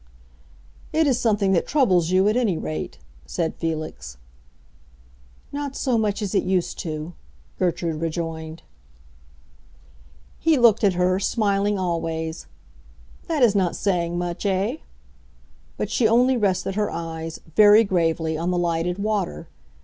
"It is something that troubles you, at any rate," said Felix. "Not so much as it used to," Gertrude rejoined. He looked at her, smiling always. "That is not saying much, eh?" But she only rested her eyes, very gravely, on the lighted water.